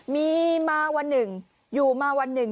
มีมาวันหนึ่งอยู่มาวันหนึ่ง